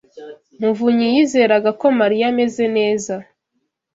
muvunyi yizeraga ko Mariya ameze neza.